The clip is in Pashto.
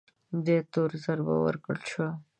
دې تور ضربه ورکړل شوه